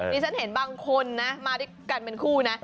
ฉันเห็นบางคนนะมาด้วยกันเป็นคู่นะ